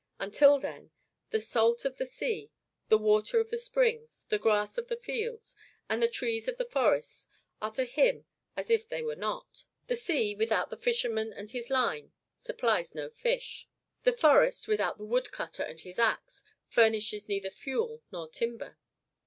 Until then, the salt of the sea, the water of the springs, the grass of the fields, and the trees of the forests are to him as if they were not. The sea, without the fisherman and his line, supplies no fish. The forest, without the wood cutter and his axe, furnishes neither fuel nor timber.